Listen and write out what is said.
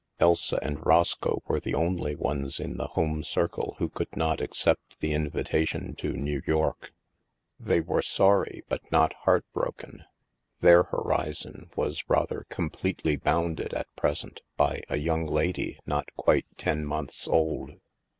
Elsa and Roscoe were the only ones in the home circle who could not accept the invitation to New HAVEN 309 York. They were sorry but not heartbroken. Their horizon was rather completely bounded, at present, by a young lady not quite ten months old.